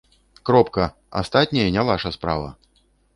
Кропка, астатняе не ваша справа!